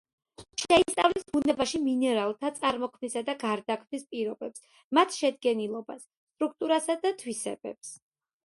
შეისწავლის ბუნებაში მინერალთა წარმოქმნისა და გარდაქმნის პირობებს, მათ შედგენილობას, სტრუქტურასა და თვისებებს.